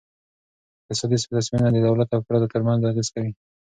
اقتصادي تصمیمونه د دولت او افرادو ترمنځ اغیز کوي.